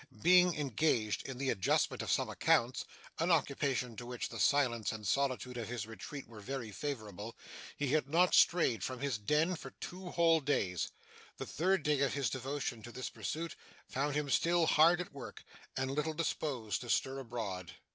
Being engaged in the adjustment of some accounts an occupation to which the silence and solitude of his retreat were very favourable he had not strayed from his den for two whole days. The third day of his devotion to this pursuit found him still hard at work, and little disposed to stir abroad.